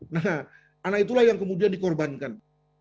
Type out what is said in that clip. nah anak itulah yang kemudian dikorbankan